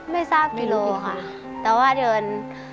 ไม่ทราบกิโลค่ะแต่ว่าเดิน